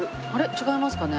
違いますかね？